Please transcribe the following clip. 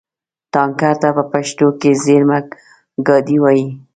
ټانکر ته په پښتو کې زېرمهګاډی وایي.